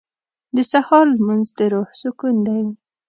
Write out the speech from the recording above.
• د سهار لمونځ د روح سکون دی.